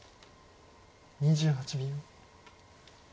２８秒。